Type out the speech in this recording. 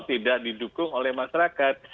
tidak didukung oleh masyarakat